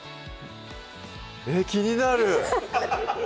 えっ気になる！